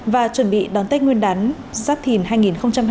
và chuẩn bị đón tết nguyên đán giáp thìn hai nghìn hai mươi bốn